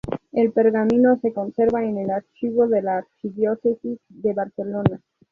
El pergamino se conserva en el archivo de la Archidiócesis de Barcelona.